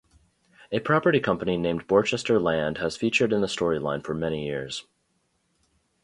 A property company named Borchester Land has featured in the storyline for many years.